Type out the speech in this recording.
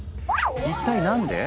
一体何で？